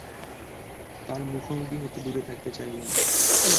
তার মুখোমুখি হতে দূরে থাকতে চাইলেন।